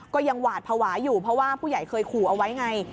ก็ยังหวาดภาวะอยู่เพราะว่าผู้ใหญ่เคยขู่เอาไว้ไง